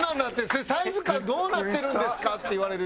「それサイズ感どうなってるんですか？」って言われるように。